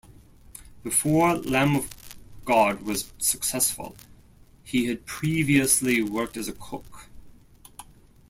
Before Lamb of God was successful, he had previously worked as a cook.